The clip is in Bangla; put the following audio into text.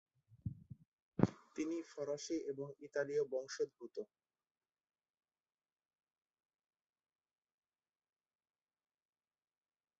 তিনি ফরাসি এবং ইতালীয় বংশোদ্ভূত।